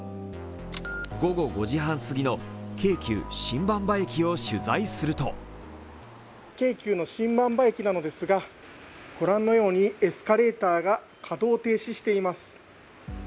午後５時半すぎの京急・新馬場駅を取材すると京急の新馬場駅ですが御覧のようにエスカレーターが稼働を停止しています。